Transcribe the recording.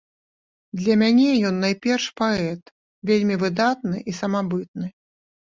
Для мяне ён найперш паэт, вельмі выдатны і самабытны.